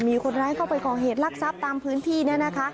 มีคนร้ายเข้าไปก่อเหตุลักษัพตามพื้นที่เนี่ยนะคะ